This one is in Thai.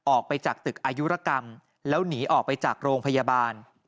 ออกไปจากตึกอายุรกรรมแล้วหนีออกไปจากโรงพยาบาล